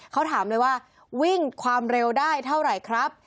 เขาถามเลยว่าวิ่งความเร็วได้เท่าไหร่ครับ